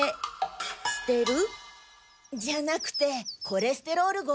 捨てる？じゃなくてコレステロール号。